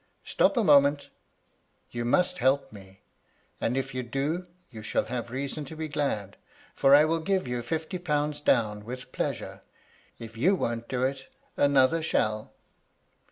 "* Stop a moment You must help me ; and, if you do, you shall have reason to be glad, for I will give you fifty pounds down with pleasure. If you won't do it, another shall.'